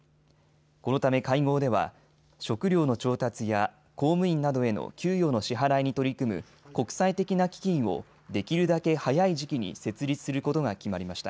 このため会合では食料の調達や公務員などへの給与の支払いに取り組む国際的な基金をできるだけ早い時期に設立することが決まりました。